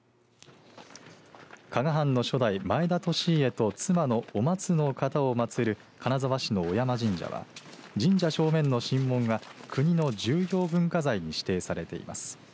加賀藩の初代、前田利家と妻のまつを祭る金沢市の尾山神社は神社正面の神門が国の重要文化財に指定されています。